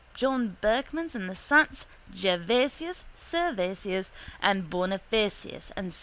John Berchmans and the saints Gervasius, Servasius and Bonifacius and S.